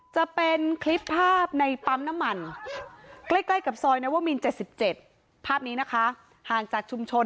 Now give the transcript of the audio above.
จะเป็นคลิปภาพในปั๊มน้ำมันใกล้กับซอยนวมิน๗๗ภาพนี้นะคะห่างจากชุมชน